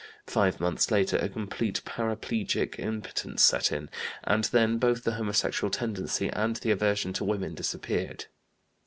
Five months later a complete paraplegic impotence set in; and then both the homosexual tendency and the aversion to women disappeared.